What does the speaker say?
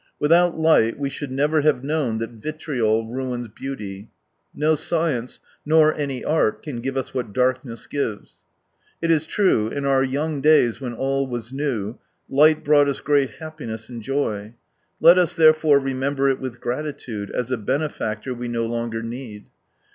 Without light we should never have known that vitriol ruins beauty. No science, nor any art can give us what darkness gives. It is true, in our young days when all was new, light brought us great happiness and joy. Let us, there fore, remember it with gratitude, as a benefactor we no longer need.